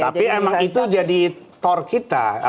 tapi emang itu jadi tor kita